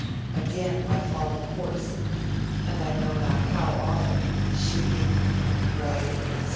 (6) Again by a fall of a horse. And I know not how often in shooting, riding, etc.'